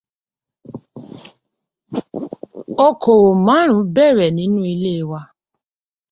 Okòòwò márùn-ún bẹ̀rẹ̀ nínú ilé wa.